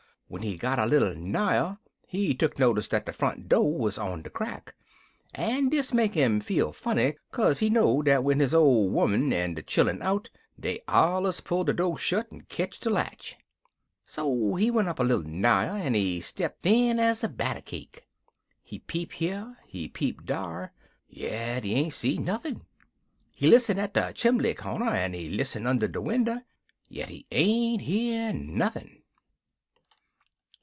When he got a little nigher, he tuck notice dat de front door wuz on de crack, en dis make 'im feel funny, kaze he know dat when his ole 'oman en de chillun out, dey allers pulls de door shet en ketch de latch. So he went up a little nigher, en he step thin ez a batter cake. He peep here, en he peep dar, yit he ain't see nothin'. He lissen in de chimbley cornder, en he lissen und' de winder, yit he ain't hear nothin'.